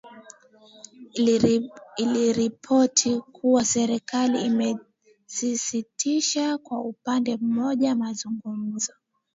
Iliripoti kuwa serikali imesitisha kwa upande mmoja mazungumzo